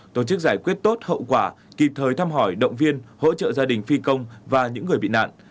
tổ chức giải quyết tốt hậu quả kịp thời thăm hỏi động viên hỗ trợ gia đình phi công và những người bị nạn